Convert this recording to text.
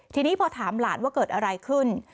ทีนี้พอถามหลานว่าเกิดอะไรขึ้น